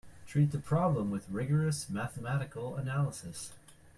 Treat the problem with rigorous mathematical analysis.